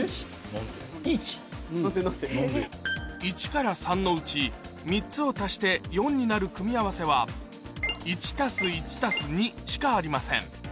１から３のうち３つを足して４になる組み合わせはしかありません